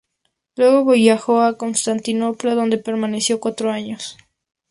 Luego viajó a Constantinopla, donde permaneció cuatro años.